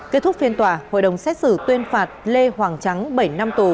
kết thúc phiên tòa hội đồng xét xử tuyên phạt lê hoàng trắng bảy năm tù